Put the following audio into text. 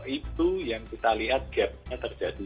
itu yang kita lihat gapnya terjadi